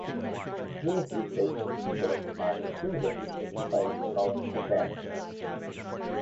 Junichi plays the keyboard and Shingo is the guitarist of the band.